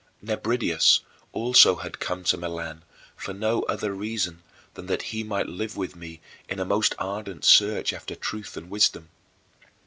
17. Nebridius also had come to Milan for no other reason than that he might live with me in a most ardent search after truth and wisdom.